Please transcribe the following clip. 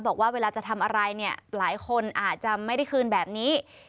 บอกว่าเวลาจะทำอะไรเนี่ยหลายคนอาจจะไม่ได้คืนแบบนี้